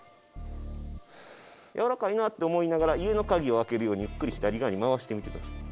「やわらかい」って思いながら家の鍵を開けるようにゆっくり左側に回してみてください。